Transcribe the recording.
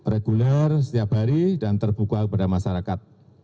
reguler setiap hari dan terbuka kepada masyarakat